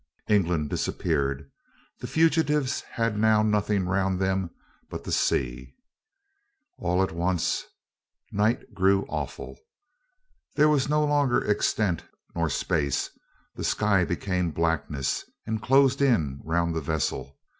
England disappeared. The fugitives had now nothing round them but the sea. All at once night grew awful. There was no longer extent nor space; the sky became blackness, and closed in round the vessel.